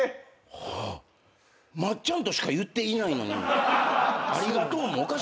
「まっちゃん」としか言っていないのにありがとうもおかしいんですけどね。